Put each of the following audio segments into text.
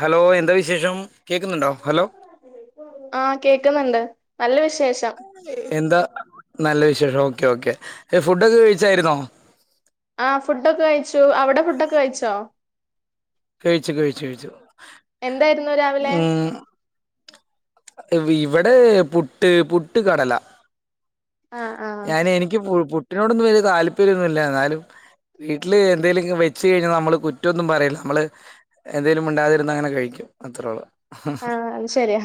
Hello. എന്താ വിശേഷം. കേക്കുന്നുണ്ടൊ. ഹലോ. ആഹ്. കേക്കുന്നുണ്ട്. നല്ല വിശേഷം. എന്താ നല്ല വിശേഷം. Okay okay. ഫുഡൊക്കെ കഴിച്ചായിരുന്നൊ. ആ ഫുഡോക്കെ കഴിച്ചു. അവിടെ ഫുഡൊക്കെ കഴിച്ചൊ. കഴിച്ചു. കഴിച്ചു. കഴിച്ചു. എന്തായിരുന്നു രാവിലെ ഉം ഇവെടെ പുട്ട്. പുട്ട്, കടല ആഹ് ആഹ് ഞാന് എനിക്ക് പു പുട്ടിനോടൊന്നും വല്യ താല്പര്യൊന്നു ഇല്ല ഇന്നാലും വീട്ടില് എന്തെലും വെച്ച്കഴിഞ്ഞ നമ്മള് കുറ്റം ഒന്നും പറീല്ല നമ്മള്. എന്തേലും മുണ്ടാതിരുന്ന് അങ്ങനെ കഴിക്കും. അത്രള്ളു. ആഹ്. അത് ശര്യ.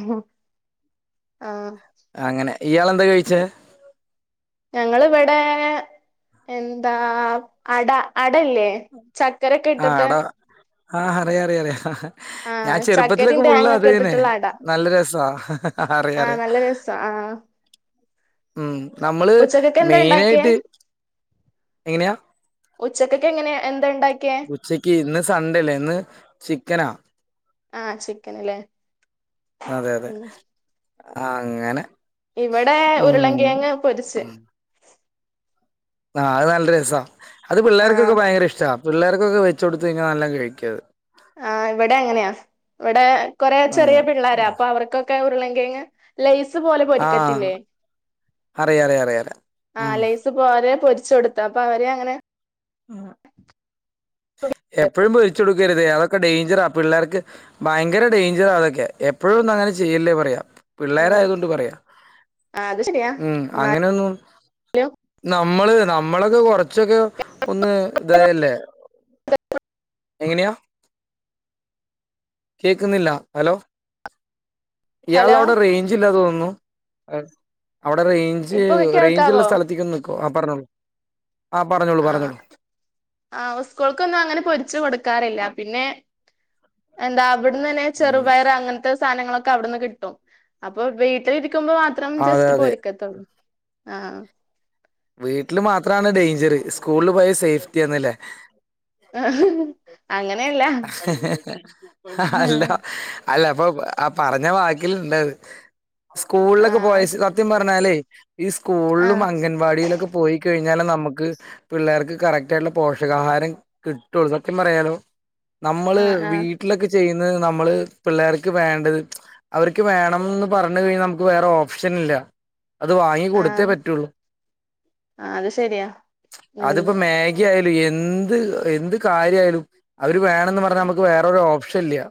ആഹ് ആ. അങ്ങനെ. ഇയാൾ എന്താ കഴിച്ചെ. ഞങ്ങിള് ഇവെടെ എന്താ അട അട ഇല്ലേ. ആഹ് എടാ ആഹ് അറിയാ അറിയ അറിയാ. ആഹ് ഞാൻ ചക്കരയും ചെറുപ്പത്തിലോക്കെ ഫുൾ തേങ്ങൊക്കെ അതന്നെ ഇട്ടിട്ടുള്ള അട നല്ല രസാ. അറിയാം ആഹ് അറിയാം. നല്ല രസാ ആഹ്. ഉം നമ്മള് ഉച്ചക്കൊക്കെ എന്താ ഇണ്ടാക്കിയേ മെയിനായിട്ട്, എങ്ങനെയാ? ഉച്ചക്കൊക്കെ എങ്ങനെ എന് ഉച്ചക്ക്യ് ഇന്ന് സണ്ടെല്ലേ ഇന്ന് ചിക്കനാ. ആഹ് ചിക്കൻ ല്ലേ. അതെ അതെ. അങ്ങനെ. ഇവടെ ഉം ഉരുളങ്കിഴങ്ക് പൊരിച്ച്. ആഹ് അത് നല്ല രസാ. അത് ആഹ് പിള്ളേർക്കൊക്കെ ഭയങ്കര ഇഷ്ടവാ പിള്ളേർക്കൊക്കെ വെച്ച് കൊടുത്ത് കഴിഞ്ഞ നല്ലം കഴിക്ക്യു അത്. ആഹ് ഇവിടെ അങ്ങനെയാ. ഇവിടെ കൊറെ ചെറിയ അങ്ങനെ പിള്ളേരാ അപ്പൊ അവർക്കൊക്കെ ഉരുളങ്കിഴങ്ങ് ലെയ്സ് പോലെ ആ പൊരിക്കത്തില്ലേ. അറിയാ അറിയാ അറിയാ അറിയാ ആഹ് ഉം ലെയ്സ് സ് പോരെ പൊരിച്ച് കൊടുത്ത്. അപ്പൊ അവരെ അങ്ങനെ ആഹ്. എപ്പഴും പൊരിച്ചു കൊടുക്കരുതേ അതൊക്കെ ഡേഞ്ചറാ പിള്ളേർക്ക് ഭയങ്കര ഡേയ്ഞ്ചറാ അതൊക്കെ. എപ്പഴും ഒന്നും അങ്ങനെ ചെയ്യല്ലേ പറയാ. ആഹ് പിള്ളേരായതൊണ്ട് പറയാ. അത് ശരിയാ ഉം എന്നാലും അങ്ങനൊന്നും നമ്മള് നമ്മളൊക്കെ കൊറച്ചൊക്കെ ഒന്ന് ഇതായല്ലേ. എങ്ങനെയാ? കേക്കുന്നില്ല. ഹലോ, ഹലോ ഇയാളവിടെ റേഞ്ച് ഇല്ലാ തോന്നുന്നു. അഹ് അവിടെ റേയ് ഞ്ച് ഇപ്പൊ റേഞ്ച്ള്ള കേൾക്കാവോ സ്ഥലത്തീക്ക് നിക്കോ. ആഹ് പറഞ്ഞോളൂ. ആ പറഞ്ഞോളൂ ആഹ്. പറഞ്ഞോളൂ ആഹ് ഉസ്കൂൾക്കൊന്നും അങ്ങനെ പൊരിച്ചു കൊടുക്കാറില്ല. പിന്നെ, എന്താ അവിട്ന്നെന്നെ ഉം ചെറുപയർ അങ്ങനത്തെ സാനങ്ങളൊക്കെ അവിടുന്ന് കിട്ടും. അപ്പൊ വീട്ട് ഇര് ക്കുമ്പം മാത്രം അതെ ജസ്റ്റ്‌ അതെ പൊരിക്കത്തൊള്ളൂ. ആഹ്. വീട്ടില് മാത്രാണ് ഡേഞ്ചറ്, സ്കൂളിൽ പോയാ സേഫ്റ്റി ആന്ന്ല്ലേ. അങ്ങനെയല്ല ആഹ് അല്ലാ അല്ല അപ്പൊ ആ പറഞ്ഞ വാക്കിലുണ്ടത്. സ്കൂളിലൊക്കെ പോയ ആഹ് സ് സ ത്യം പറഞ്ഞാലേ ഈ സ്കൂളിലും ആഹ് അംഗൻവാടിയിലൊക്കെ പോയി കഴിഞ്ഞാലാ നമുക്ക് പിള്ളേർക്ക് കറക്റ്റ് ആയിട്ടുള്ള പോഷകാഹാരം കിട്ടൊള്ളു. സത്യം പറയാലോ നമ്മള് ആഹ് വീട്ടിലൊക്കെ ചെയ്യുന്നത് നമ്മള് പിള്ളേർക്ക് വേണ്ടത് അവർക്ക് വേണംന്ന് പറഞ്ഞു കഴിഞ്ഞാ നമുക്ക് വേറെ ഓപ്ഷനില്ല. അത് വാങ്ങി കൊടുത്തേ പറ്റുള്ളൂ. ആഹ് അത് ശരിയാ. ഉം അതിപ്പോ മാഗി ആയാലും എന്ത് എന്ത് കാര്യായാലും. അവര് വേണംന്ന് പറഞ്ഞാ നമുക്ക് വേറൊരു ഓപ്ഷൻ ഇല്ല്യ.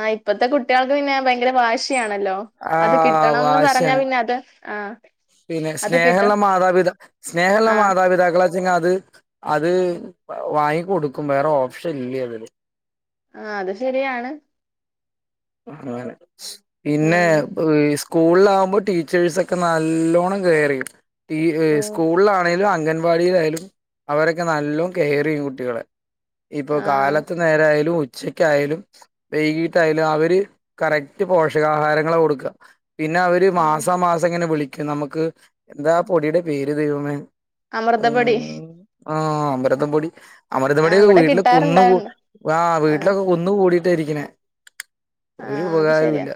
ആഹ് ഇപ്പത്തെ കുട്ട്യാൾക്ക് പിന്നെ ഭയങ്കര വാശിയാണല്ലോ. ആ അത് കിട്ടണംന്ന് പറഞ്ഞാ വാശിയാണ് പിന്നെ അത്, ആഹ്. പിന്നെ സ്നേഹള്ള മാതാപിത സ്നേഹള്ള ആ മാതാപിതാക്കളെ പിന്നത് അത് വാങ്ങി കൊടുക്കും വേറെ ഓപ്ഷൻ ഇല്ല്യ അതില്. ആഹ് അതും ശരിയാണ്. അങ്ങനെ. പിന്നെ ഉം എഹ് ഈ സ്കൂളിലാവുമ്പം ടീച്ചേഴ്സൊക്കെ നല്ലോണ്ണം കെയറെയ്യും. ഈ എഹ് ഉം സ്കൂളിലാണെലും അംഗൻ വാടിയിലായാലും അവരൊക്കെ നല്ലോം കെയറ് ചെയ്യും കുട്ടികളെ. ഇപ്പോ ആ കാലത്ത് നേരായാലും ഉച്ചക്കായാലും വൈകീട്ടായാലും അവ ര് കറക്റ്റ് പോഷകാഹാരങ്ങളാ കൊടുക്കാ പിന്നെ അവര് ആ. മാസാമാസം ഇങ്ങനെ വിളിക് നമുക്ക് എന്താ പൊടിയുടെ പേര് ദൈവമേ അമൃതപൊടി ഉം ആഹ് അമൃതം പൊടി അമൃതം ആ പൊടി ഇവിടെ വീട്ടില് കുന്നുകൂ കിട്ടാറുണ്ടായിരുന്നു ആഹ് ആ വീട്ടിലൊക്കെ കുന്നു കുന്നുകൂടിയിട്ടാ ഇരിക്കണേ ആ അത് ഒരുപകരോം ശരിയാ ഇല്ല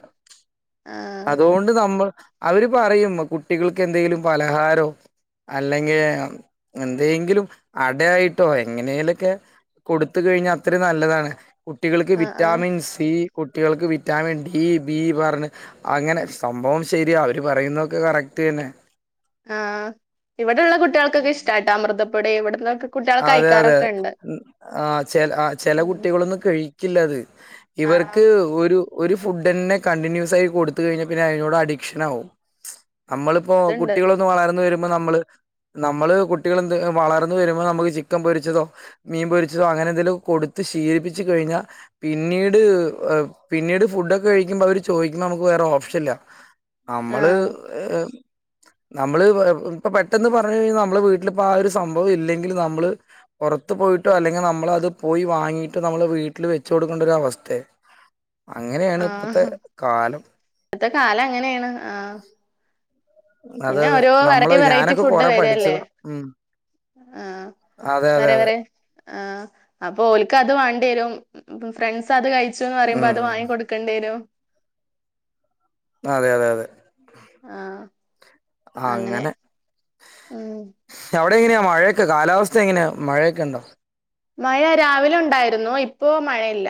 ആ അതുകൊണ്ട് നമ്മൾ അവര് പറയും കുട്ടികൾക്കെന്തെങ്കിലും പലഹാരോ അല്ലെങ്കില് എന്തെങ്കിലും അടയായിട്ടോ എങ്ങനെലൊക്കെ കൊടുത്തുകഴിഞ്ഞാ ഒത്തിരി നല്ലതാണ് കുട്ടികൾക്ക് ആ ആ വിറ്റാമിൻ സി കുട്ടികൾക്ക് വിറ്റാമിൻ ഡി ബി പറഞ്ഞ് അങ്ങനെ സംഭവം ശരിയാ അവര് പറയുന്നൊക്കെ കറക്റ്റ് തന്നെ. ആഹ് ഇവിടെള്ള കുട്ടികൾക്കൊക്കെ ഇഷ്ട്ടാട്ടോ അമൃതപ്പൊടി ഇവിടെ അതെ അതെ ആഹ് ചെ ചെല ഉം കുട്ടികളൊന്നും കഴി ക്കില്ലത് ആ ഇവർക്ക് ഒരു ഒരു ഫുഡ്ന്നെ കണ്ടിന്യൂസ് ആയി കൊടുത്തു കഴിഞ്ഞാൽ പിന്നെ അതിനോട് അഡിക്ഷൻ ആവും നമ്മളിപ്പോ അതുണ്ട് കുട്ടികളൊന്ന് വളർന്ന് വരുമ്പോ നമ്മള് നമ്മള് കുട്ടികളെന്ത് വളർ ന്ന് വരുമ്പോ നമ്മക്ക് ചിക്കൻ പൊരിച്ചതോ മീൻ പൊരിച്ചതോ അങ്ങനെന്തെലും ഒക്കെ കൊടുത്ത് ശീലിപ്പിച്ച് കഴിഞ്ഞാ പിന്നീട് പിന്നീട് ഫുഡ്ഡോക്കെ കഴിക്കുമ്പോ അവര് ചോദിക്കുമ്പോ നമുക്ക് വേറെ ഓപ്ഷൻ ഇല്ല ആ നമ്മള് ഇഹ് നമ്മള് ഇപ്പ പെട്ടെന്ന് പറഞ്ഞു കഴിഞ്ഞാൽ നമ്മളെ വീട്ടിലിപ്പ ആഹ് ഒരു സംഭവം ഇല്ലെങ്കിൽ നമ്മള് പൊറത്ത് പോയിട്ടോ അല്ലെങ്കിൽ നമ്മളത് പോയി വാങ്ങിയിട്ട് നമ്മളെ വീട്ടിൽ വെച്ചു കൊടുക്കേണ്ട ഒരു അവസ്ഥയാ അങ്ങനെയാണ് ഇപ്പത്തെ കാലം ഇപ്പെത്തെ കാലം അങ്ങനെയാണ് ആഹ് അതെ അതെ നമ്മള് വെറൈറ്റി വെറൈറ്റി ഞാനൊക്കെ ഫുഡ് കൊറെ വരല്ലേ പഠിച്ചതാ ഉം അതെ അതെ അതെ ആഹ് അപ്പൊ ഓല്ക്ക് അത് വാണ്ടി വരും ഫ്രണ്ട്സ് അത് കഴി ച്ചെന്നു പറയുമ്പോ അത് ഉം വാങ്ങി കൊടുക്കേണ്ടി വരും അതെ അതെ അതെ ആഹ് ആഹ് അങ്ങനെ ഉം അവിടെ എങ്ങനെയാ മഴയൊക്കെ കാലാവസ്ഥ എങ്ങനെയാ മഴയൊക്കെണ്ടോ മഴ രാവിലെ ഉണ്ടായിരുന്നു ഇപ്പോ മഴയില്ല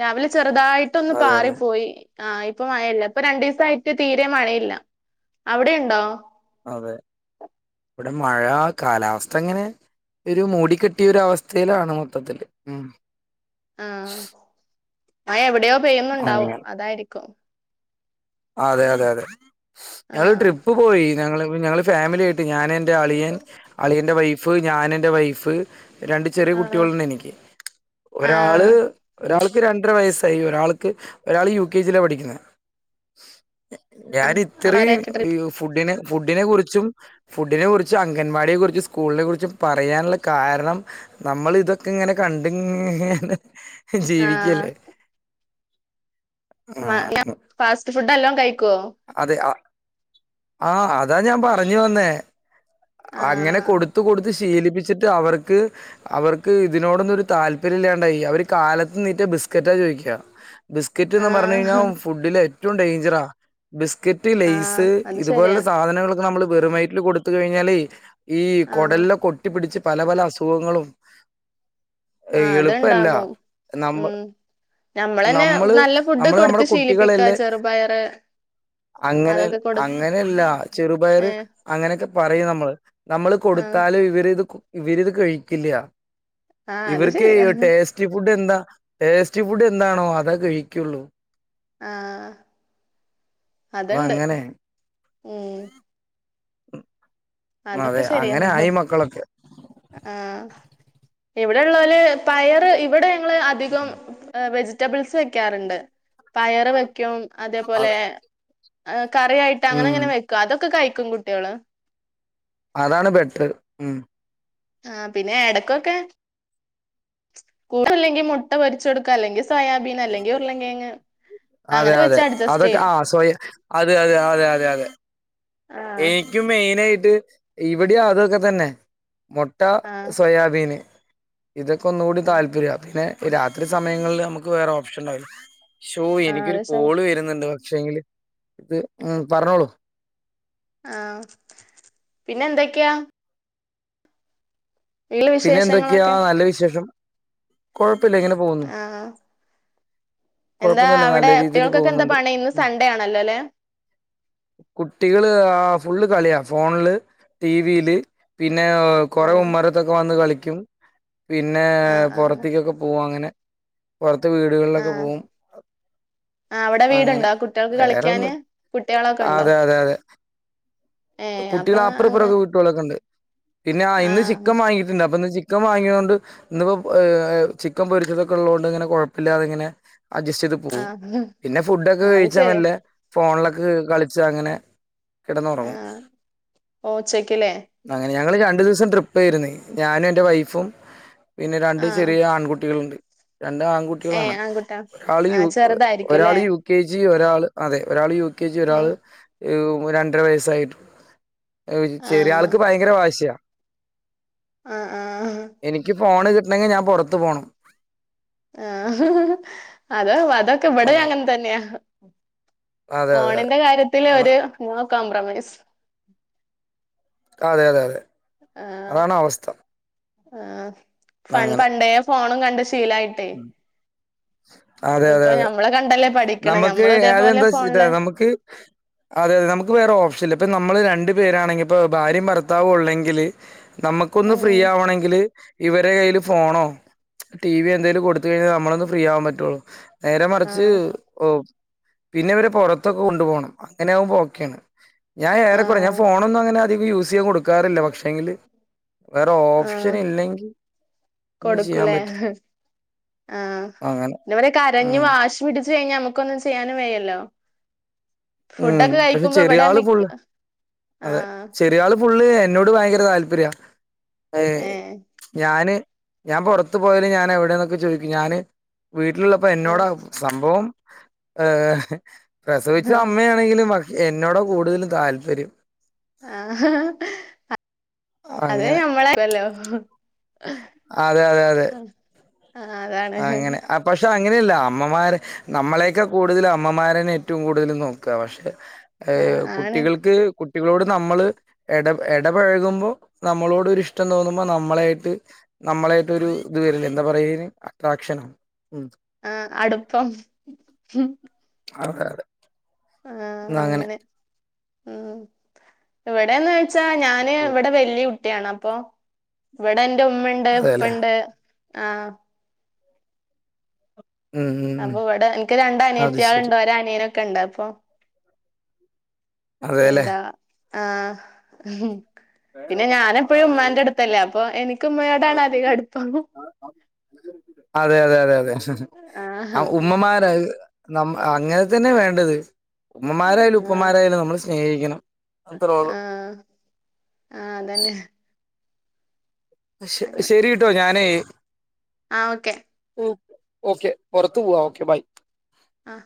രാവിലെ ചെറുതായി ട്ടൊന്ന് പാറി അതെല്ലേ പോയി ആഹ് ഇപ്പ മഴയില്ല ഇപ്പൊ രണ്ടു ദിസായിട്ട് തീരെ മഴയില്ല അവിടെ ഉണ്ടോ അതെ ഇവിടെ മഴ കാലാവസ്ഥ ഇങ്ങനെ ഒരു മൂടിക്കെട്ടിയ ഒരവസ്ഥയിലാണ് മൊത്തത്തില് ഉം. ആ മഴ എവിടെയോ പെയ്യുന്നുണ്ടാവും അങ്ങനെ അതായിരിക്കും അതെയതെയതെ ആ ഞങ്ങള് ട്രിപ്പ് പോയി ഞങ്ങള് ഞങ്ങള് ഫാമിലി ആയിട്ട് ഞാന് എന്റെ അളിയൻ അളിയന്റെ വൈഫ് ഞാനെന്റെ വൈഫ് രണ്ട് ചെറിയ ആ കുട്ടികളുണ്ട് എനിക്ക് ആ ഒരാള് ഒരാൾക്ക് രണ്ടര വയസ്സായി ഒരാൾക്ക് ഒരാൾ യു കെ ജിയിലാ പഠിക്കുന്നേ ആ ഞാന് ഇത്രേം അവരായിട്ട് ഈ ട്രിപ്പ് ഫുഡിനെ ഫുഡിനെ കുറിച്ചും ഫുഡ്നെ കുറിച്ചും അംഗൻവാടിയെ കുറിച്ചും സ്കൂൾനെ കുറിച്ചും പറയാനുള്ള കാരണം നമ്മൾ ഇതൊക്കെ ഇങ്ങനെ കണ്ട് ഇങ്ങനെ ആ ജീവിക്കല്ലേ ആ മല ഫാസ്റ്റ് ഫുഡ് നല്ലോം കഴിക്കോ അതെ ആഹ് അതാ ഞാൻ പറഞ്ഞു വന്നേ അങ്ങനെ കൊടു ആഹ് കൊടുത്ത് കൊടുത്ത് ശീലിപ്പിച്ചിട്ട് അവർക്ക് അവർക്ക് ഇതിനോടൊന്നും ഒരു താല്പര്യല്ലാണ്ടായി അവര് കാലത്ത് നീറ്റ ബിസ്കറ്റാ ചോയിക്ക ബിസ്ക്കറ്റ്ന്ന് പറഞ്ഞ് കഴിഞ്ഞാ ആഹ് ഫുഡില് ഏറ്റവും ഡേഞ്ചറാ ബിസ്ക്കറ്റ് ലേയ്സ് ആഹ് അത് ശരിയാ ഇതുപോലുള്ള സാധനങ്ങളൊക്കെ നമ്മള് വെറും വയറ്റില് കൊടുത്ത് കഴിഞ്ഞാലെ ഈ ആഹ് കൊടല്ലെക്ക ഒട്ടി പിടിച്ച് പല പല അസുഖങ്ങളും ഏയ് ആഹ് എളുപ്പല്ല അത്ണ്ടാകും നമ്മ ഉം ഞമ്മളന്നെ നമ്മള് നല്ല ഫുഡ് നമ്മള് നമ്മുടെ കൊടുത്ത് ശീലിപ്പിക്ക കുട്ടികളല്ലേ ചെറുപയറ് അങ്ങനെ അതൊക്കെ കൊടു അങ്ങനെയല്ല ചെറുപയറ് ഏഹ് അങ്ങനെക്കെ പറയും നമ്മള് നമ്മള് ആഹ് കൊടുത്താലും ഇവര് ഇത് ഇവരിത് കഴിക്കില്ല ആഹ് അത് ഇവർക്കേ ശരിയാ ടേസ് സ്റ്റി ഫുഡ് എന്താ ടേസ്റ്റി ഫുഡ് എന്താണോ അതാ കഴിക്കുള്ളൂ ആഹ് അത് അത്ണ്ട് അങ്ങനെ ഉം അതൊക്കെ അതെ ശരിയാ അങ്ങനെ ആയി മക്കളൊക്കെ ആഹ് ഇവിടെള്ളോല് പയറ് ഇവിടെ ഞങ്ങള് അധികം വെജിറ്റബിൾസ് വെയ്ക്കാറ്ണ്ട് പയറ് വെയ്ക്കും അതേപോലെ അത് കറിയായിട്ട് ഉം അങ്ങനങ്ങനെ വെക്കും അതൊക്കെ കഴിക്കും കുട്ടിയാള് അതാണ് ബെറ്ററ് ഉം ആഹ് പിന്നെ എടകൊക്കെ കൂട്ട് ല്ലെങ്കി മുട്ട പൊരിച്ച് കൊടുക്കു അല്ലെങ്കി സോയാബീന് അല്ലെങ്കി ഉരുളങ്കേങ്ങ് അതെ അതെ അതൊക്കെ ആഹ് സോയ അത് ത് അതെ അതെ അതെ ആഹ് ഏയ്ക്കും മെയിനായിട്ട് ഇവിടെം അതൊക്കെ തന്നെ മൊ ട്ട ആഹ് സോയാബീന് ഇതൊക്കെ ഒന്നുകൂടി താല്പര്യ പിന്നെ രാത്രി സമയങ്ങളില് നമുക്ക് വേറെ ഓപ്ഷൻണ്ടാവില്ല ശോ ആഹ് എനിക്കൊരു അത് ശരി കോള് വരുന്ന്ണ്ട് പക്ഷേങ്കില് ഇത് പറഞ്ഞോളൂ ആഹ് പിന്നെന്തെക്കെയാ വീട്ടിലെ പിന്നെന്തൊക്കെയാ വിശേഷങ്ങളൊക്കെ നല്ല വിശേഷം കൊഴപ്പല്ല ഇങ്ങനെ പോന്നു ആഹ് എന്താ അവിടെ കുട്ടികൾക്കൊക്കെ എന്താ പോകുന്നുണ്ട് പണി ഇന്ന് ഉം സൺഡേ ആണല്ലോ ല്ലെ കുട്ടികള് ആഹ് ഫുള്ള് കളിയാ ഫോൺല് ടി വി ല് പിന്നെ കുറെ ആഹ് ഉമ്മറത്തൊക്കെ വന്ന് കളിക്കും പിന്നെ ആഹ് ആഹ് പൊറത്തിക്കൊക്കെ പോകും അങ്ങനെ പൊറത്ത് വീടുകളിലൊക്കെ ആഹ് പോകും ആഹ് അവിടെ അങ്ങനെ വീടുണ്ടോ കുട്ടികൾക്ക് കളിക്കാന് വേറെന്നുല്ല കുട്ടികളൊക്കെ ഉണ്ടോ അതെ അതെ അതെ ഏഹ് അപ്പൊ കുട്ടികള അങ്ങ- അങ്ങനെ അപ്പുറപ്പറൊക്കെ വിട്ടുകളൊക്കെണ്ട് പിന്നെ ആഹ് ഇന്ന് ചിക്കൻ വാങ്ങിട്ടുണ്ട് അപ്പൊ ഇന്ന് ചി ചിക്കൻ വാങ്ങിയതോണ്ട് ഇന്നിപ്പോ ചിക്കൻ പൊരിച്ചതൊക്കെ ഉള്ളോണ്ട്ങ്ങനെ കൊഴപ്പല്ലാതെങ്ങനെ അഡ്ജസ്റ്റ് ചെയ്ത് പോവും ആഹ് പിന്നെ ഫുഡൊക്കെ അത് കഴിച്ചാ ശരിയാ മെല്ലേ ഫോൺലൊക്കെ കളിച്ച് അങ്ങനെ കെടന്നൊറങ്ങും ഓഹ് ഉച്ചക്ക് ല്ലേ അങ്ങനെ ഞങ്ങള് രണ്ടു ദിവസം ട്രിപ്പായിരുന്നേ ഞാനും എന്റെ വൈഫും പിന്നെ രണ്ട് ആഹ് ചെറിയ ആൺകുട്ടികളുണ്ട് രണ്ട് ആൺകുട്ടി ഏ കുട്ടികളാണ് ആൺകുട്ടാ ഒരാള് ആ യു ചെറുതായിരിക്കും അല്ലേ ഒരാള് യു കെ ജി ഒരാൾ അതെ ഒരാള് യു കെ ജി ആ ഒരാള് രണ്ടര വയസ്സായിട്ട് ആ ചെറിയാൾക്ക് ഭയങ്കര വാശിയാ ആഹ് ആഹ് എനിക്ക് ഫോണ് കിട്ടണെങ്കി ഞാൻ പൊറത്ത് പോണം ആഹ് അത് അതൊക്കെ ഇവിടെ അങ്ങനെ തന്നെയാ അതെ അതെ ഫോണിന്റെ കാര്യത്തില് അതാ ഒരു നൊ കോംപ്രമൈസ് അതെ അതെ അതെ ആഹ് അതാണ് അവസ്ഥ ആഹ് പണ്ടേ ഫോണും കണ്ട് ശീലായി ഉം അതെ അതെ ഇപ്പൊ അതെ ഞമ്മള് കണ്ടല്ലേ പഠിക്കണെ നമക്ക് ഞമ്മള് ഇതേപോലെ അതെന്താ ഫോണില് നമുക്ക് അതെ അതെ നമുക്ക് വേറെ ഓപ്ഷൻ ഇല്ല ഇപ്പൊ നമ്മള് രണ്ടു പേരാണെങ്കി ഇപ്പ ഭാര്യയും ഭർത്താവ് ഉള്ളെങ്കില് നമുക്കൊന്ന് ഉം ഫ്രീ ഉം ആവണെങ്കിൽ ഇവരെ കയ്യില് ഫോണോ ടി വിയൊ എന്തേലും കൊടുത്ത് കഴിഞ്ഞാൽ നമ്മളൊന്ന് ഫ്രീ ആവാൻ പറ്റുള്ളൂ നേരെ മറിച്ച് ആഹ് ഓഹ് പിന്നെ ഇവരെ പൊറത്തൊക്കെ കൊണ്ടു പോണം അങ്ങനെ ആകുമ്പോ ഓക്കെയാണ് ഞാൻ ഏറക്കുറെ ഞാൻ ആഹ് ഫോണൊന്നും അങ്ങനെ അധികം യൂസയ്യാൻ കൊടു ക്കാറില്ല പക്ഷെങ്കില് വേറെ ആഹ് ഓപ്ഷൻ ഇല്ലെങ്കിൽ ഒന്നും ചെയ്യാൻ കൊടുക്കൂലേ പറ്റില്ല ആഹ് അങ്ങനെ. അതെ പോലെ കരഞ്ഞ് ഉം. വാശി പിടിച്ച് കഴിഞ്ഞാൽ നമ്മുക്ക് ഒന്നും ചെയ്യാനും വയ്യല്ലോ ഉം ഫുഡൊക്കെ പക്ഷെ കഴിക്കുമ്പോ ഇവിടെ ചെറിയാള് മിക്ക ഫുള്ള് അതെ ആഹ് ചെറിയാള് ഫുള്ള് എന്നോട് ഭയങ്കര താല്പര്യ ഏഹ് ഞാന് ഞാൻ പൊറത്ത് പോയല് ഞാൻ എവിടെന്നൊക്കെ ചോയിക്കും ഞാന് വീട്ടിലുള്ളപ്പോ എന്നോട സംഭവം ഏഹ് പക്ഷെ ആഹ് അമ്മയാണെങ്കിലും പക്ഷേ എന്നോട് കൂടുതലും താല്പര്യം ആ അതെ അങ്ങനെ ഞമ്മളേക്കല്ലൊ അതെ അതെ അതെ [unintelligible] അതാണ് അങ്ങനെ പക്ഷെ അങ്ങനെയല്ല അമ്മമാര് നമ്മളെയൊക്കെ കൂടുതലും അമ്മമാരന്നെ ഏറ്റവും കൂടുതൽ നോക്ക പക്ഷെ ആഹ് ഏഹ് ആണ് കുട്ടികൾക്ക് കു ട്ടികളോട് നമ്മള് എട എടപെഴകുമ്പോൾ നമ്മളോടൊരു ഇഷ്ടം തോന്നുമ്പോ നമ്മളായിട്ട് നമ്മളായിട്ട് ഒരു ഇത് വരില്ലെ എന്താ പറയ അതിന് അട്രാക്ഷനൊ ഉം ആ അടുപ്പം അതെ അതെ ന്ന അങ്ങനെ ഉം ഇവിടെന്ന് വെച്ചാ ഞാന് ഇവിടെ വെല്ല്യ കുട്ടിയാണ് അപ്പൊ ഇവിടെ എൻ്റെ ഉമ്മണ്ട് അതെല്ലെ ഉപ്പണ്ട് ആ ഉം ഉം ഉം അപ്പൊ ഇവടെ ഇൻക്ക് രണ്ട് അത് ശരി അനിയത്തിയാള്ണ്ട് ഒര് അനിയനൊക്കെ ഉണ്ട് അപ്പൊ അതേല്ലേ എന്താ ആഹ് പിന്നെ ഞാന് എപ്പഴും ഉമ്മാന്റെ അടുത്തല്ലേ അപ്പൊ എനിക്ക് ഉമ്മയോടാണ് അധികം അടുപ്പം. അതെ അതെ അതെ അതെ ആ ആഹ് ഉമ്മമാരായി നമ്മ അങ്ങനെ തന്നെ വേണ്ടത് ഉമ്മമാരായാലും ആഹ് ഉപ്പമാരായാലും നമ്മള് സ്നേഹിക്കണം അത്രേ ഉള്ളൂ ആഹ് ആഹ് അതന്നെ ശ ശരിട്ടൊ ഞാനെ ആഹ് ഓക്കെ ഓഹ് ഓക്കെ പൊറത്തു പോവാ ഓക്കെ ബൈ ആഹ്